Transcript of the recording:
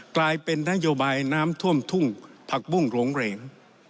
กลายเป็นนโยบายน้ำท่วมทุ่งผักบุ้งหลงเหรง